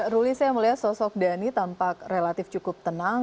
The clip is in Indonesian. ruli saya melihat sosok dhani tampak relatif cukup tenang